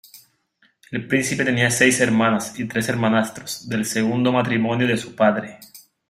El Príncipe tenía seis hermanas y tres hermanastros del segundo matrimonio de su padre.